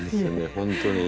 本当に。